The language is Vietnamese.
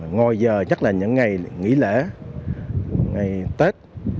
ngồi giờ chắc là những ngày nghỉ lễ ngày tết